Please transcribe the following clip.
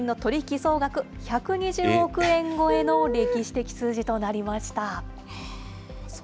総額１２０億円超えの歴史的数字となりました。